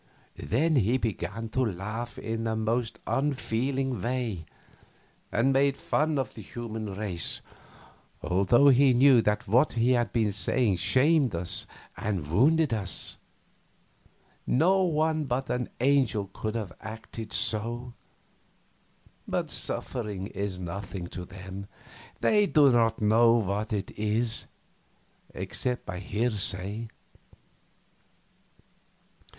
Then he began to laugh in the most unfeeling way, and make fun of the human race, although he knew that what he had been saying shamed us and wounded us. No one but an angel could have acted so; but suffering is nothing to them; they do not know what it is, except by hearsay.